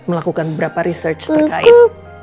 melakukan beberapa research terkait